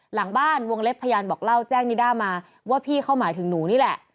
หลังบ้านวงเล็บพยานบอกเล่าแจ้งนิด้ามาว่าพี่เขาหมายถึงหนูนี่แหละ